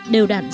đều đạt số